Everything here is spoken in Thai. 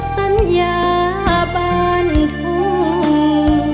สัญญาบ้านทุ่ง